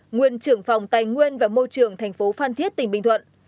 nguyên trưởng phòng tài nguyên và môi trường thành phố phan thiết tỉnh bình thuận